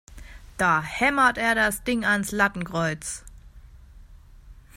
Da hämmert er das Ding ans Lattenkreuz!